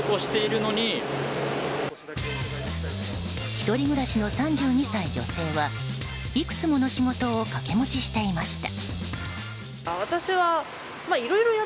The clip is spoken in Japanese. １人暮らしの３２歳女性はいくつもの仕事を掛け持ちしていました。